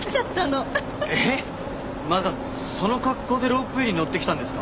えっまさかその格好でロープウェイに乗って来たんですか？